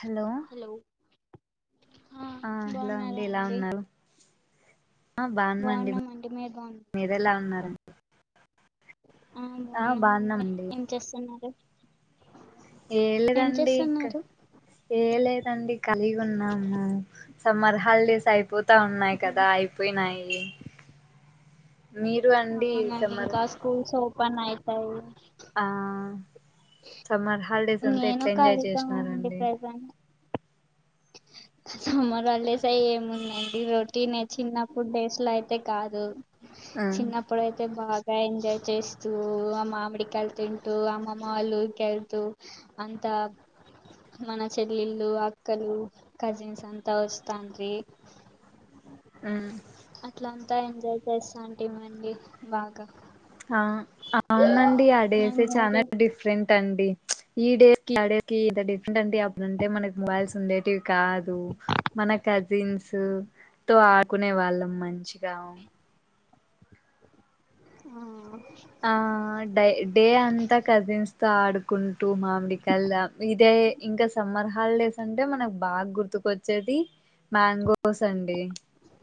Hello ఆ hello అండి ఎలా ఉన్నారు ఆ బాగున్నాండి బాగున్నామండి మీరు బాగున్నారా మీరు ఎలా ఉన్నారు ఆ బావున్నామండి బాగున్నామండి ఏం చేస్తున్నారు ఏం లేదండి ఇకా ఏ లేదండి కాలిగా ఉన్నాము సమ్మర్ హాలిడేస్ అయిపోతే తాన్నాయి కదా అయిపోయినాయి మీరు అండి అవునండి సమ్మర్ ఇంకా స్కూల్స్ ఓపెన్ అయితాయి ఆ సమ్మర్ హాలిడేస్ అంతా నేను ఎట్లా ఎంజాయ్ ఖాళీగా అండి చేసినారండి ప్రజెంట్ [unintelligible] సమ్మర్ హాలిడేస్ ఏముందండి రొటీనే చిన్నప్పుడు డేస్ లో అయితే కాదు ఆ చిన్నప్పు అప్పుడైతే బాగా ఎంజాయ్ చేస్తూ ఆ మామిడి కాయలు తింటూ అమ్మమ్మ వాళ్ళ ఉరికి వెళ్తూ అంతా మన చెల్లిళ్ళు అక్కలు కజిన్స్ అంతా వస్తాన్రీ ఆహ్ అట్లంతా ఎంజాయ్ చేస్తాంటిమండి బాగా ఆ అవునండి ఆ ఆడేసే మీరు చానా డిఫ డిఫరెంటండి ఈ డేస్ ఆ డేస్ డిఫరెంటి అప్పుడు ఉంటే మనకి మొబైల్స్ ఉండేటి కాదు మన కజిన్స్ తో ఆడుకునే వాళ్ళం మంచిగా ఆ ఆహ్ డై డే అంతా కజిన్స్తో ఆడుకుంటూ మామిడ్కాల్ ఇదే ఇంకా సమ్మర్ హాల్డేస్ అంటే మనకు బా గుర్తుకొచ్చేది మ్యాంగోసండి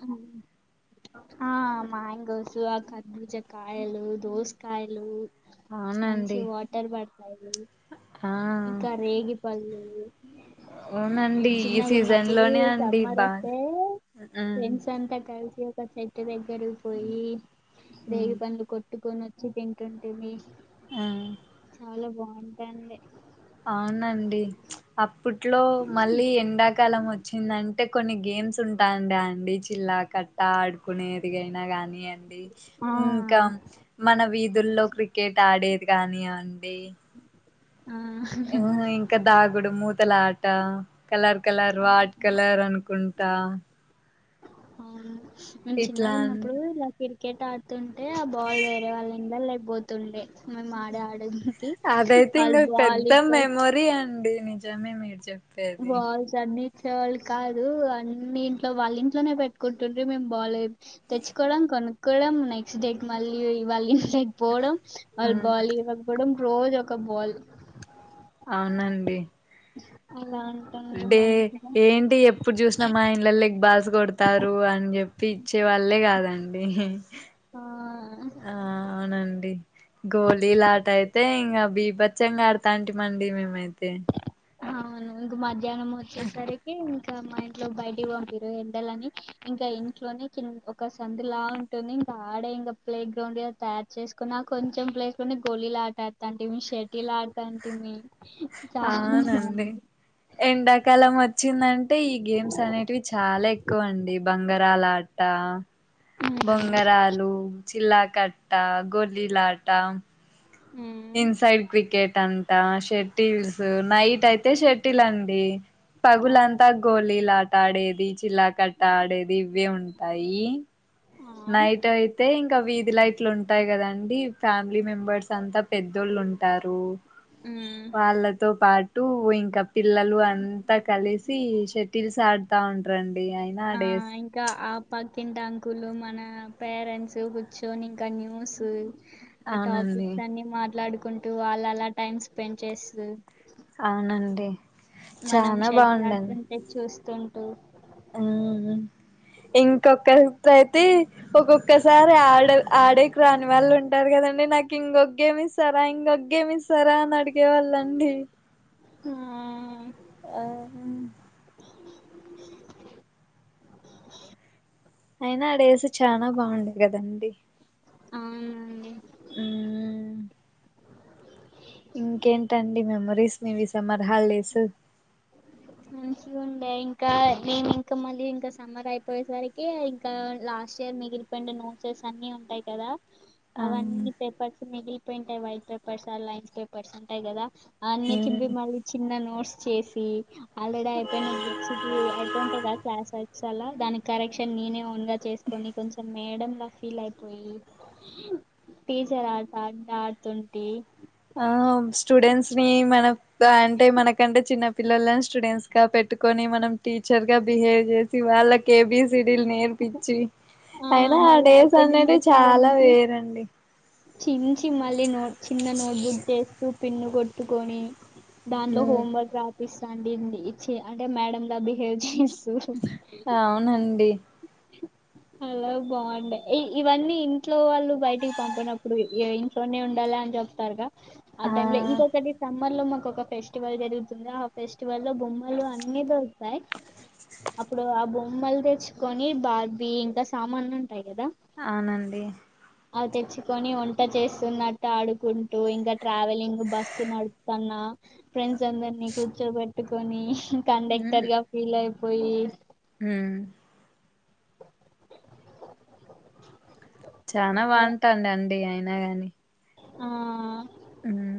ఆహ్ ఆ మ్యాంగోస్ ఆ కర్బుజాకాయలు దోస్కాయలు మంచి అవునండి వాటర్ పడ్తాయి ఆ ఇంకా రేగి పళ్ళు అవునండి మేము ఈ సీజన్ చిన్నగున్నప్పుడు లోనే అండి సమ్మర్ బాగా ఒస్తే ఉమ్ ఫ్రెండ్స్ అంతా కల్సి ఒక చెట్టు దగ్గర పోయి రేగి ఉమ్ పంన్లు కొట్ కొట్టుకొని వచ్చి తింటుంటిమి ఆ చాలా బాఉంటయండి అవ్నండి అప్పట్లో మళ్ళీ ఎండాకాలం వచ్చిందంటే కొన్ని గేమ్స్ ఉంటాండి అండి చిల్లా కట్టా ఆడతకునేదిగైనా గాని అ ఆ ఇంకా మన వీధుల్లో క్రికెట్ ఆడేది గానియండి ఉమ్ ఇంకా దాగుడు మూతలాట కలర్ కలర్ ఆ వాట్ కలరనుకుంటా అవతను నేను ఇట్లా అన్ని. చిన్నగున్నప్పుడు ఇలా క్రికెట్ ఆడ్తుంటే ఆ బాల్ వేరే వాళ్ళింద్లాలకుపోతుండే మేమడే ఆడకి అదైతే ఇంక పెద్ద మెమొరీ అండి నిజమే మీరు చెప్ బాల్స్ జర్నీచ్చేవాళ్ళు కాదు అన్ని ఇంట్లో వాళ్ళింట్లోనే పెట్టుకుంటుండి మేము బాలేదు తెచ్చుకోవడం కనుక్కోవడం నెక్స్ట్ డేక్ మళ్ళీ వాళ్ళి పోవడం వాళ్ళు హ్మ్, బాలివ్వకపోవడం రోజోక బాల్ అవ్నండి అలం డే ఏంటి ఎప్పు ఎప్పుడు చూస్నా మా ఇంలలాకి బాల్స్ కొడ్తారు అని చెప్పి ఇచ్చే వాళ్ళే కాదండి ఆ అవునండి గోళీలాటైతే ఇంకా బీభచ్చంగా ఆడ్తాంటి మండి మేమైతే అవ్ను ఇంగ మధ్యాహ్నం ఒచ్చేసరికి ఇంకా మా ఇంట్లో బయటికీ వంపరు ఎండలని ఇంకా ఇంట్లోనే కింద ఒక సందులా టుంది ఇంకా ఆడే ఇంకా ప్లే గ్రౌండ్ ఉంది చేస్కున్నా కొంచెం ప్లేస్లోనే గోళిలాట తంటిమీ షెటిలాడ్తాంటిమీ అవునండి ఎండాకాలం ఒచ్చిందం అంటే ఈ గేమ్స్ అనేటివి చాలా ఎక్కువ అండి బంగరలాట ఉమ్ బొంగరలు చిల్లా కట్టా గోలీలాటా ఉమ్, ఇన్ సైడ్ క్రికెట్ అంతా షటిల్స్ నైటైతే షటిలండి ఆ పగులంతా గోళలాట ఆడేది చిల్లా కట్ట ఆడేది ఇవే ఉంటాయి ఆ నైటైతే ఇంకా వీధిలై ట్లుంటాయి కదండి ఫ్యామిలీ మెంబర్స్ అంతా పెద్దోళ్ళు ఉం ఉంటారు ఉమ్, వాళ్ళతో పాటు ఇంకా పిల్లలు అంతా కలిసి షటిల్స్ ఆడ్తా ఉంటారండి అయినా ఆ డేస్ ఇంకా ఆ పకింట అంకులు మన పేరెంట్స్ కూర్చొని ఇంకా న్యూస్ ఆ అవునండి టాపిక్స్ అన్ని మాట్లాడుకుంటూ ఆళ్ళ అలా టైమ్ స్పెండ్ చేస్తు అవునండి చాన బాగుందండి ఏ చూస్తుంటూ ఉమ్ ఇంకొకరయితే ఒక్కొక్కసారి ఆడ ఆడేకి రాని వాళ్ళు ఉం టరు కదండి నాకు ఇంకొగేమి ఇస్తారా ఇంకొగేమి ఇస్తారా అని అడిగేవాళ్ళండి ఉమ్ ఆ అయినా ఆడేస్ చాలా బాగుండేది కదండి ఆ ఉంది ఉమ్ ఇంకేంటండి మెమరీస్ ఇవి సమ్మర్ హాల్ డేస్ మంచిగుండె ఇంకా నేన్ ఇంకా మళ్ళీ ఇంకా సమ్మర్ అయిపోయేసరికి కా లాస్ట్ ఇయర్ మిగిలి పొయిన నోట్సెస్ అన్ని ఉంటాయ్ కదా ఆ అవన్నీ పేపర్స్ మిగిలి పోయి ఉంటాయ్ వైట్ పేపర్స్ ఆ లైన్స్ పేపర్స్ ఉంటాయ్ గదా అన్ని చింపి ఉమ్ మళ్ళీ చిన్న నోట్స్ చేసి ఆల్రెడీ అయిపోయిన బుక్ [unintelligible] అలా దానికి కరెక్షన్ నేనే ఓన్ గా చేసుకొని కొంచెం మేడం లా ఫీల్ అయిపోయి టీచర్ ఆట అంట ఆడుతుంటి ఆ స్టూడెంట్స్ ని మన అంటే మనకంటే చిన్న పిలలన్ స్టూడెంట్స్ గా పెట్టుకొని మనం టీచర్ గా బిహేవ్ చేసి వాళ్ళక్ ఏబీసిడిలు నేర్పిచ్చి అయినా ఆ మళ్ళీ డేస్ అయిపోయిన అనేది నోట్స్లో చాలా నుంచి వేరండి చించి మళ్ళీ నో చిన్న నోట్బుక్ చేస్తూ పిన్ను కొట్టుకొని దాంట్లో ఉమ్ హోమ్ వర్క్ రాపిస్తండి ఇచ్చి అంటే మేడమ్ గా బిహేవ్ చేస్ అవునండి అలా బాగుండె ఇ ఇవన్నీ ఇంట్లో వాళ్ళు బయటికి పంపనప్పుడు ఇ ఇంట్లోనే ఉండాల అని చెప్తారుగా ఆ టైంలో ఇంకొకటి స మ్మర్లో మాకొక ఫెస్టివల్ జరుగుతుంది ఆ ఫెస్టివల్ లో బొమ్మలు అన్ని దొరుకుతాయ్ అప్పుడు ఆ బొమ్మలు తెచ్చుకొని బాబీ ఇంకా సామాన్లు ఉంటాయి కదా అవునండి అవి తెచ్చుకొని వంట చేస్తున్నట్టు ఆడుకుంటూ ఇంకా ట్రావెలింగ్ బస్సు నడుప్తన్నా ఫ్రెండ్స్ అందరినీ కూర్చోబెట్టుకొని కండక్టర్ గా ఫీల్ అయిపోయి ఉమ్ చానా బాగుంటాండె అండి అయినా గాని ఆ.. ఉమ్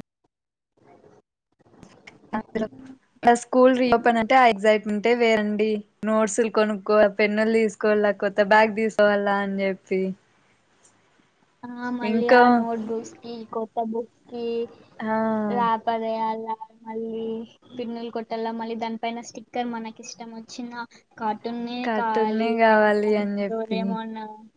[inaudible] నా స్కూల్ రీ ఓపెన్ అంటే ఆ ఎగ్జైట్మెంటె వేరండి నోట్స్లు కొనుక్కో పెన్నులు తీసు కోల కొత్త బ్యాగ్ తీసుకోవాలా అన్ జెప్పి ఆ మళ్ళీ ఆ ఇంకా నోట్ బుక్స్ కి కొత్త బుక్స్ కి ఆ రా పదయాల మళ్ళీ పిన్నులు కొట్టాల మళ్ళీ దానిపైన స్టిక్కర్ మనకిష్టం వచ్చిన కార్టూనే కార్టూన్నే కావలి కావాలి అని చెప్పి [unintelligible]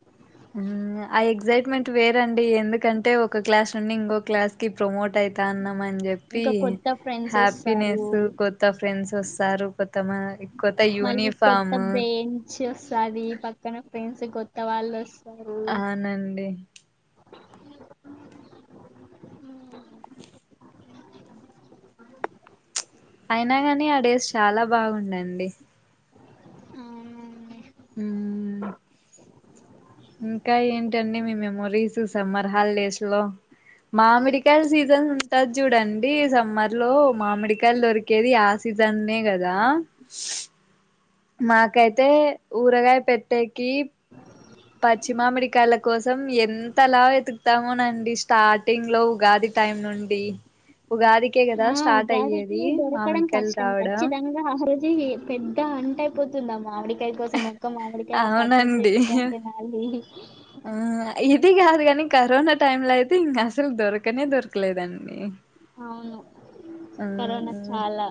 ఆ ఎగ్సైట్మెంట్ వేరండి ఎందుకంటే ఒ ఒక క్లాస్ నుండి ఇంగో క్లాస్ కి ప్రమోట్ అయితాన్నాం అన్ జెప్పి ఇంకా కొత్త ఫ్రెండ్స్ వస్తారు హ్యాపీనెస్సు కొత్త ఫ్రెండ్స్ వస్తారు కొత్త మ కొత్త మళ్ళీ కొత్త యూనిఫాము బెంచ్ వస్తాది పక్కన ఫ్రెండ్స్ కొత్త వాళ్ళు వస్ అవునండి అయినా గాని ఆ డేస్ చాలా బాగుడెనండి అవునండి ఉమ్ ఇంకా ఏంటండి మీ మెమోరీస్ సమ్మర్ హాలిడేస్ లో మామడికాయల్ సీజన్ ఉంటది జూడండి సమ్మర్ లో మామిడికాయలు దొరికేది ఆ సీజన్నే గదా. మాకైతే ఊరగాయ పెట్టేకి. పచ్చిమామిడికాయల కోసం ఎంత లా వెతుకుతామోనండి స్టార్టింగ్ లో ఉగాది టైం నుండి. ఉగాదికే కదా ఆ స్టార్ట్ ఉగాదికి అయ్యేది దొరకడం మామిడికాయలు కష్టం రావడం ఖచ్చితంగా. ఆ రోజు ఇ పెద్ద అంట అయిపోతుంద మామిడికాయ కోస మ. కొత్త మామిడికాయ పచ్చడి అవునండి తింటుంటే మళ్ళీ. ఆ ఇది గాదు గని కరోనా టైమ్ లో అయితే ఇంకా అసల్ దొరకనే దొరకలేదండి. అవును ఆ కరోనా చాలా.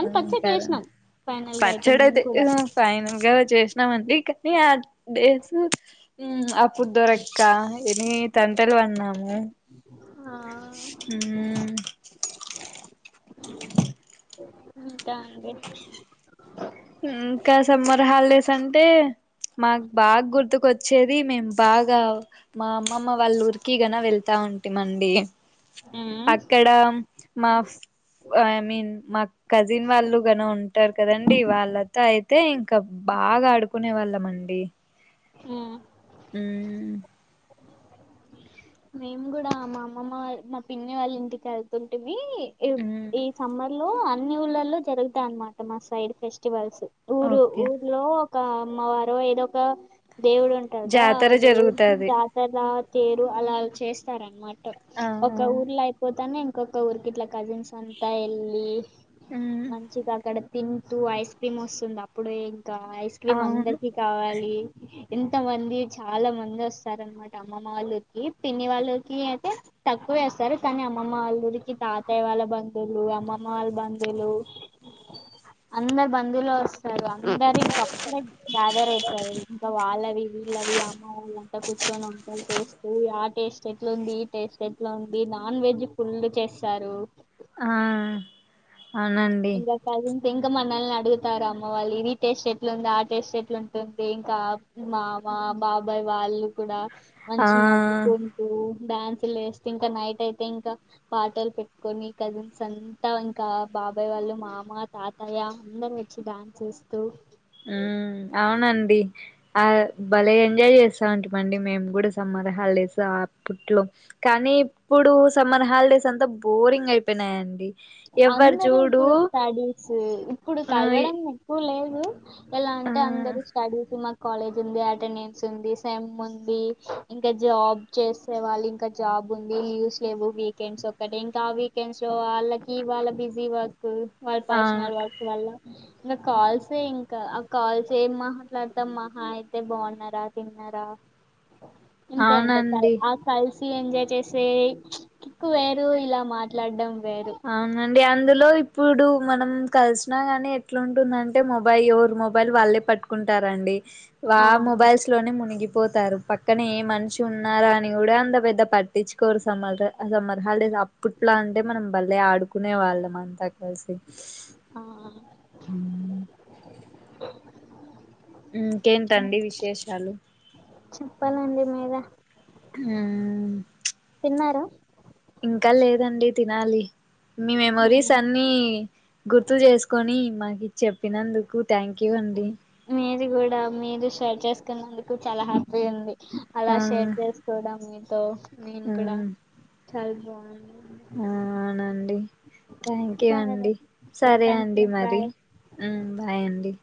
అంత అర్జట్ సరే చేసినం ఫైనల్గా అయితే మేము కూడా. ఫైనల్ గా జేసినామండి కానీ ఆ డేసు. ఉమ్ అప్పుడు దొరక్క ఎన్నీ తంటలు పడినాము. ఆ. ఉమ్. ఉంటా అండి. ఉమ్కా సమ్మర్ హాలిడేసంటే మాకు బాగా గుర్తుకొచ్చేది మేమ్. బాగా మా అమ్మమ్మ వాళ్ళు ఊరికిగన వెళ్తా ఉంటిమండి. ఉమ్ అక్కడ మాప్. ఓ ఐ మీన్ మా కజిన్ వాళ్ళు గన ఉంటారు కదన్. డి వాళ్ళంతా అయితే ఇంకా బాగా ఆడుకునే వాళ్ళం మండి. ఉమ్. ఉమ్. మేము గుడా మా అమ్మమ్మ వాల్ మా పిన్ని వాళ్ళ ఇంటికి ఏళ్తుంటిమీ ఈవ్ ఉమ్ ఈ సమ్మర్. ల్లూ అన్ని ఊళ్లలో జరుగుతాయన్నమాట మా సైడ్ ఫెస్టివల్స్ ఊరు ఓకే ఊర్లో. ఒక అమ్మ వారు ఏదో ఒక దేవుడు ఉంటారు గ ఆ జాతర దేవుడికి జరుగుతది జా. తదా తేరు అలా చేస్తారన్నమాట. అవును. ఇంకా ఊర్లో అయిపోతానే ఇంకొక ఊరికి ఇట్లా కజిన్స్ అంతా ఎళ్ళి. ఉమ్ మంచిగా అక్కడ తింటూ ఐస్ క్రీమ్ ఓస్తుంది అప్పుడే ఇంకా ఐస్ క్రీమ్ అవును అందరికి. కావాలి ఎంత మంది చాలా మంది ఓస్తారన్నమాట అమ్మమ్మ వాళ్ళు. ఈ పిన్ని వాళ్ళ కి అంటే. తక్కువే అస్తారు కానీ అమ్మమ్మ వాళ్ల ఇంటికి తాతయ్య వాళ్ళ బంధువులు అమ్మమ్మ వాళ్ళ బంధువులు. అందరు బందువులు ఓస్. స్తారు అందరింక అప్పుడే గ్యాదర్ అయితరు ఇంకా వాళ్ళవి వీళ్ళని అమ్మ వాళ్ళ. అంత కూర్చొనో తలప్స్. సి ఉ ఆ టేస్ట్ ఎట్లా ఉంది ఈ టేస్ట్ ఎట్లా ఉంది నాన్ వెజ్ ఫుల్ చేస్తారు. ఆ అవునండి. ఇంగ. కజిన్స్ ఇంకా మనల్ని అడుగుతారు అమ్మ వాళ్ళు ఇది టేస్ట్ ఎట్లుంది ఆ టేస్ట్ ఎట్లుంటుంది ఇంకా. మామ బాబాయ్ వాళ్ళు కూడా ఆ మంచి నవ్వుతూ. డ్యాన్స్లు ఎస్కుంట ఇంకా నైట్ అయితే ఇంకా పాటలు పెట్టుకొని కజిన్స్ అంతా ఇంకా బా అబ్బాయి వాళ్ళు మామ తాతయ్య అందరు వచ్చి డాన్స్ చేస్తూ.. ఉమ్ అవునండి. ఆ బలే ఎంజాయ్ చేసామండి మేము కూడా సమ్మర్ హాలిడేస్ అప్పుట్లో కానీ ఇప్పుడు సమ్మర్ హాల్డేస్ అంతా బోరింగ అ యినాయండి అందరు ఇప్పుడు స్టడీస్ ఇప్పుడు ఆ కల్వడం ఎక్కువ లేదు ఎలా ఆ అంటే అందరు స్టడీస్ మ కాలేజుంది అటెండెన్స్ ఉంది సెముంది ఇంకా జాబ్ చేసి వాళ్ళు ఇంకా జాబ్ ఉంది లీవ్స్ లేవు వీకెండ్స్ ఒక్కటి ఇంకా ఆ వీకెండ్స్లో వాళ్ళకి ఈ వాళ్ళ బిజీ వర్కూ వాళ్ళ అవును పర్సనల్ వర్క్ వల్ల ఇకా కాల్సే ఇంకా ఆ కాల్స్ ఏం మాట్లాడతాం మహా అయితే బాగున్నారా తిన్నారా అంతే ఉంత అవునండి క కల్సి ఎంజాయ్ చేసే కిక్కు వేరు ఇలా మాట్లాడడం వేరు అవ్నండి అందులో ఇప్పుడు మనం కల్సినా గాని ఎట్లాంటుందంటే మొబైల్ ఎవరు మొబైల్ వాళ్ళే పట్టుకుంటారండి వా ఆ మొబైల్స్లోనే మునిగిపోతారు పక్కనే ఏ మనిషి ఉన్నారా అని కూడా అంత పెద్ద పట్టి పట్టించుకోరు సమ్మర్ ఆ సమ్మర్ హాలిడేస్ అప్పుట్లా అంటే మనం బలే ఆడుకునే వాళ్ళం అంతా కలిసి ఆహ్ ఇంకేంటండి విశేషాలు చెప్పాలండి మీరే ఆహ్ తిన్నారా ఇంకా లేదండి తినాలి మీ మెమొరీసన్ని గుర్తు చేస్కొని మాకు చెప్పినందుకు థ్యాంక్యూ అండి మీరు కూడా మీరు షేర్ చేస్కున్నందుకు చాలా హ్యాపీ ఉంది అలా ఆ షేర్ చేసు చూడం మీతో నేను కూడా చాలా బాగుంది ఆ అవ్నండి థ్యాంక్యూ సరే అండి ఓకే సరే థ్యాంక్ అండి యూ మరి బాయ్ బాయండి